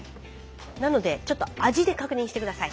なのでちょっと味で確認して下さい。